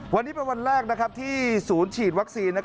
วันนี้เป็นวันแรกที่ศูนย์ฉีดวัคซีน